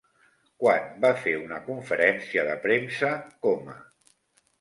Quan va fer una conferència de premsa Coma?